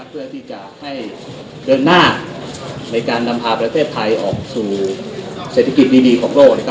เพื่อที่จะให้เดินหน้าในการนำพาประเทศไทยออกสู่เศรษฐกิจดีของโลก